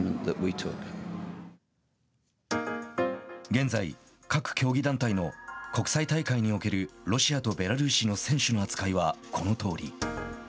現在、各競技団体の国際大会におけるロシアとベラルーシの選手の扱いはこのとおり。